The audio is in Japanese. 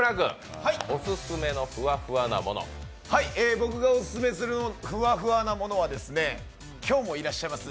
僕がオススメするフワフワなものは今日もいらっしゃいます